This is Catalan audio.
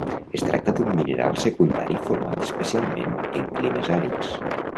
Es tracta d'un mineral secundari format especialment en climes àrids.